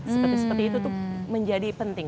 seperti itu tuh menjadi penting